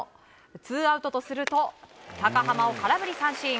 ツーアウトとすると高濱を空振り三振。